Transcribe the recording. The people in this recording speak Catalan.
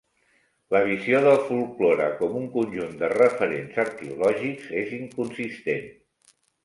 La visió del folklore com un conjunt de referents arqueològics és inconsistent.